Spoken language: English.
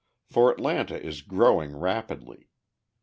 For Atlanta is growing rapidly.